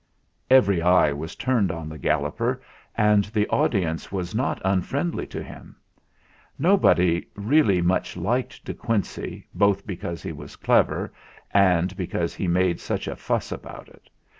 Every eye was turned on the Galloper, and the audience was not unfriendly to him. No body really much liked De Quincey both be cause he was clever, and because he made such a fuss about it.